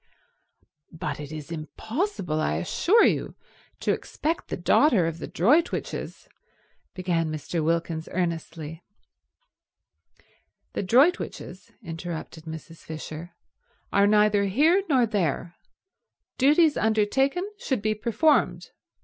"But it is impossible, I assure you, to expect the daughter of the Droitwiches—" began Mr. Wilkins earnestly. "The Droitwiches," interrupted Mrs. Fisher, "are neither here nor there. Duties undertaken should be performed.